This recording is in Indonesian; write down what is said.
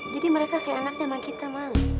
jadi mereka sayang anaknya sama kita mang